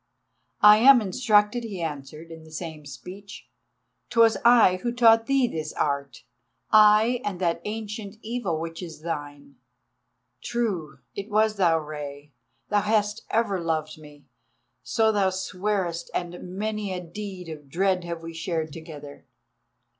"I am instructed," he answered, in the same speech; "'twas I who taught thee this art, I, and that Ancient Evil which is thine." "True—it was thou, Rei. Thou hast ever loved me, so thou swearest, and many a deed of dread have we dared together.